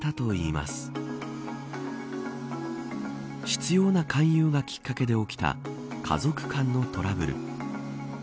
執拗な勧誘がきっかけで起きた家族間のトラブル。